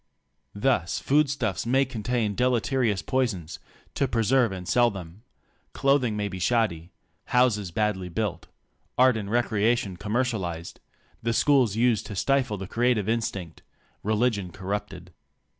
Thus foodstuffs may contain deleterious poisons to preserve and sell them, clothing may be shoddy, houses badly built, art and recreation commercialized, the schools used to stifle the creative instinct, religion corrupted.